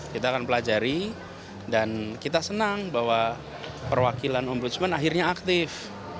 kita akan pelajari dan kita senang bahwa perwakilan ombudsman akhirnya aktif